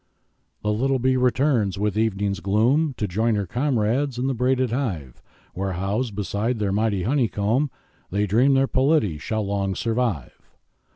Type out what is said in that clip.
The little bee returns with evening's gloom, To join her comrades in the braided hive, Where, housed beside their mighty honeycomb, They dream their polity shall long survive.